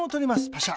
パシャ。